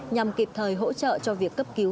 nhằm kịp thời hỗ trợ cho việc cấp cứu